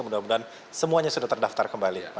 mudah mudahan semuanya sudah terdaftar kembali